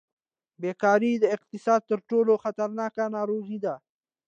بېکاري د اقتصاد تر ټولو خطرناکه ناروغي ده.